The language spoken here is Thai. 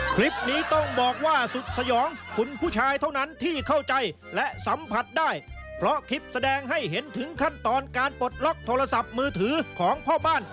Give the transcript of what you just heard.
คลิปนี้ต้องบอกว่าสุดสยองคุณผู้ชายเท่านั้นที่เข้าใจและสัมผัสได้เพราะคลิปแสดงให้เห็นถึงขั้นตอนการปลดล็อกโทรศัพท์มือถือของพ่อบ้าน